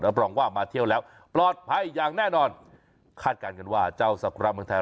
รองว่ามาเที่ยวแล้วปลอดภัยอย่างแน่นอนคาดการณ์กันว่าเจ้าศักรามเมืองไทย